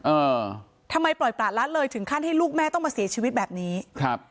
เออทำไมปล่อยประละเลยถึงขั้นให้ลูกแม่ต้องมาเสียชีวิตแบบนี้ครับ